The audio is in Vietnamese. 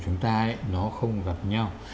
chúng ta nó không gặp nhau